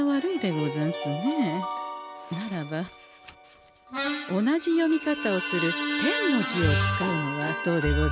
ならば同じ読み方をする「天」の字を使うのはどうでござんす？